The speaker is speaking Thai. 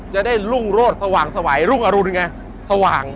จะได้รุ่นโรดสว่างสวรรค์